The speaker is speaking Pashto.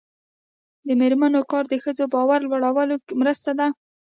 د میرمنو کار د ښځو باور لوړولو مرسته ده.